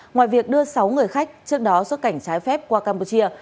ngoài việc đưa sáu người khách trước đó xuất cảnh trái phép qua campuchia